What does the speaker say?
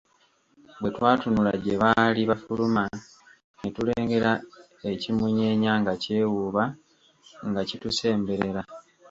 Bwe twatunula gye baali bafuluma ne tulengera ekimunyeenya nga kyewuuba nga kitusemberera.